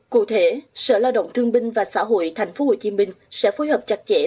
cụ thể sở lao động thương binh và xã hội tp hcm sẽ phối hợp chặt chẽ